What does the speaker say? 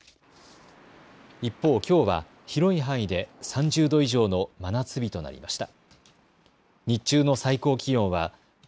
一方、きょうは広い範囲で３０度以上の真夏日となりました。